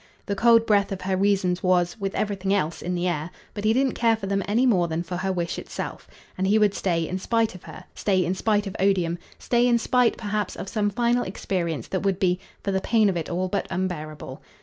The cold breath of her reasons was, with everything else, in the air; but he didn't care for them any more than for her wish itself, and he would stay in spite of her, stay in spite of odium, stay in spite perhaps of some final experience that would be, for the pain of it, all but unbearable.